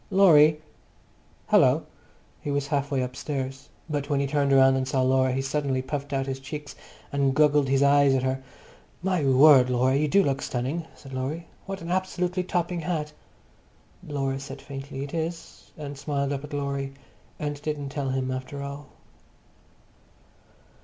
"Laurie!" "Hallo!" He was half way upstairs, but when he turned round and saw Laura he suddenly puffed out his cheeks and goggled his eyes at her. "My word, Laura! You do look stunning," said Laurie. "What an absolutely topping hat!" Laura said faintly "Is it?" and smiled up at Laurie, and didn't tell him after all.